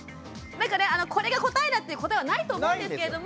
だからこれが答えだっていう答えはないと思うんですけれども。